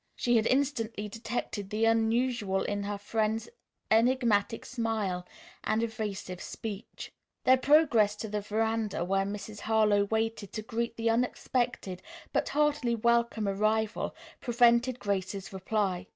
She had instantly detected the unusual in her friend's enigmatic smile and evasive speech. Their progress to the veranda, where Mrs. Harlowe waited to greet the unexpected but heartily welcome arrival, prevented Grace's reply.